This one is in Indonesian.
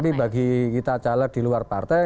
tapi bagi kita caleg di luar partai